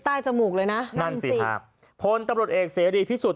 ใต้จมูกเลยน่ะนั่นสิครับผลตำรดเอกเสยดีพิสุต